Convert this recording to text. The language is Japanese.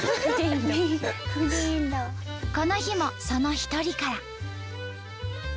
この日もその一人から。